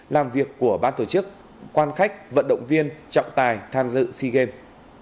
làm việc của ban tổ chức quan khách vận động viên trọng tài tham dự sea games